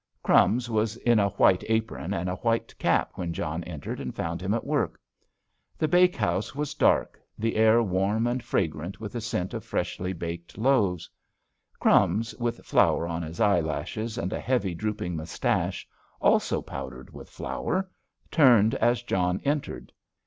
"Crumbs" was in a white apron and a white cap when John entered and found him at work. The bake house was dark, the air warm and fragrant with a scent of freshly baked loaves. "Crumbs," with flour on his eyelashes, and a heavy, drooping moustache, also powdered with flour, turned as John entered.